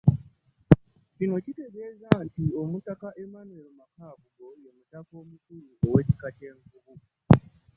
Kino Kitegeeza nti omutaka Emmanuel Makaabugo ye mutaka omukulu ow'ekika ky'e Nvubu